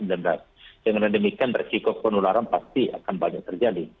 dengan demikian resiko penularan pasti akan banyak terjadi